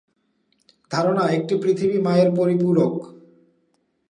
ধারণা একটি পৃথিবী মায়ের পরিপূরক।